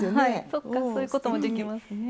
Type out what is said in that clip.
そっかそういうこともできますね。ね！